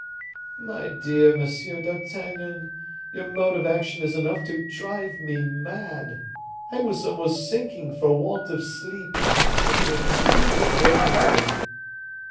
"My dear Monsieur d'Artagnan, your mode of action is enough to drive me mad; I was almost sinking for want of sleep, but you have completely awakened me."